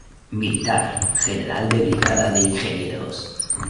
Militar, general de brigada de Ingenieros.